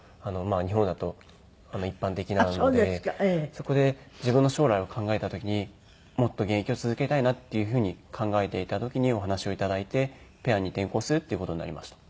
そこで自分の将来を考えた時にもっと現役を続けたいなっていうふうに考えていた時にお話を頂いてペアに転向するっていう事になりました。